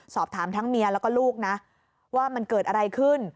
สอบถามทั้งเมียแล้วก็ลูกนะว่ามันเกิดอะไรขึ้น